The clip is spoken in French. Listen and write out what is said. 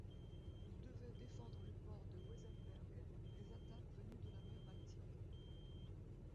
Il devait défendre le port de Wesenberg des attaques venues de la mer Baltique.